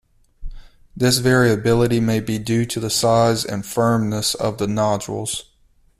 This variability may be due to the size and firmness of the nodules.